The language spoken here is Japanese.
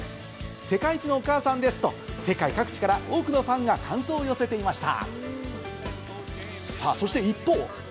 世界一のお母さんです！と世界各地から多くのファンが感想を寄せていました。